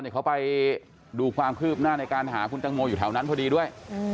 เขาไปดูความคืบหน้าในการหาคุณตังโมอยู่แถวนั้นพอดีด้วย